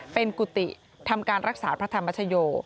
เป็นกุฏิทำการรักษาพระธรรมชโย